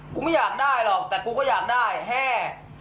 กูไม่อยากได้หรอกแต่กูก็อยากได้แห้